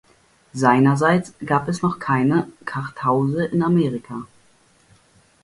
Seinerzeit gab es noch keine Kartause in Amerika.